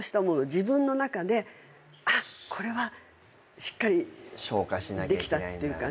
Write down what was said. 自分の中でこれはしっかりできたっていうかね